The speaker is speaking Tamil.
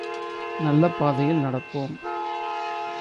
நல்ல பாதையில் நடப்போம்.